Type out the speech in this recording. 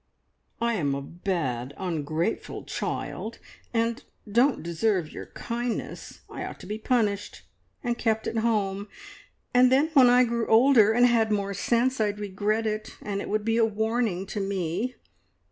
"I am a bad, ungrateful choild, and don't deserve your kindness. I ought to be punished, and kept at home, and then when I grew older and had more sense I'd regret it, and it would be a warning to me.